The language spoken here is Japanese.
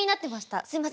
すみません。